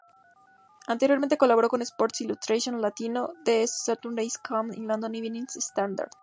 Anteriormente, colaboró en Sports Illustrated Latino, When Saturday Comes y London Evening Standard.